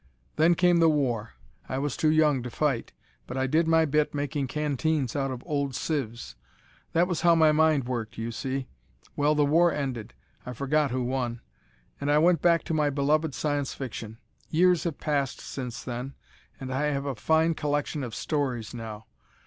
Then came the war. I was too young to fight, but I did my bit making canteens out of old sieves. That was how my mind worked, you see. Well, the war ended I forgot who won and I went back to my beloved Science Fiction. Years have passed since then, and I have a fine collection of stories now.